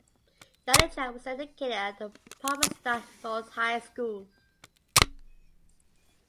Gallichan was educated at Palmerston North High School.